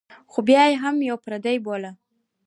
خو بیا هم یو بل پردي بولو.